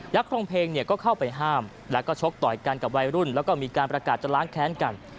ครองเพลงเนี่ยก็เข้าไปห้ามแล้วก็ชกต่อยกันกับวัยรุ่นแล้วก็มีการประกาศจะล้างแค้นกัน